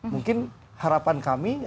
mungkin harapan kami